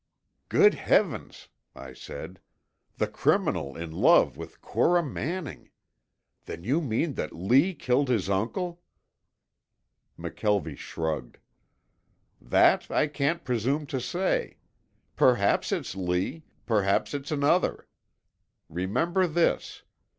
"Good heavens!" I said. "The criminal in love with Cora Manning! Then you mean that Lee killed his uncle?" McKelvie shrugged. "That I can't presume to say. Perhaps it's Lee perhaps it's another. Remember this.